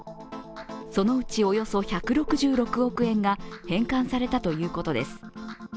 そのうちおよそ１６６億円が返還されたということです。